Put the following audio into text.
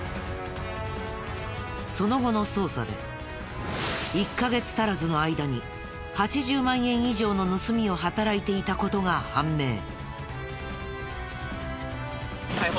その後の捜査で１カ月足らずの間に８０万円以上の盗みを働いていた事が判明。